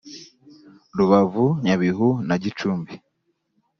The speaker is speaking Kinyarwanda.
Rubavu Nyabihu na Gicumbi